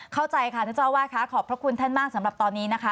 เข้าใจค่ะท่านเจ้าอาวาสค่ะขอบพระคุณท่านมากสำหรับตอนนี้นะคะ